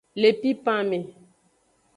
Le pipan me.